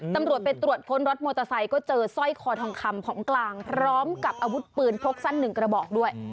ตำรวจไปตรวจค้นรถมอเตอร์ไซค์ก็เจอสร้อยคอทองคำของกลางพร้อมกับอาวุธปืนพกสั้นหนึ่งกระบอกด้วย